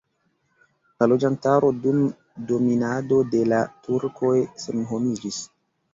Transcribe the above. La loĝantaro dum dominado de la turkoj senhomiĝis.